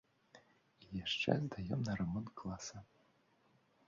І яшчэ здаём на рамонт класа.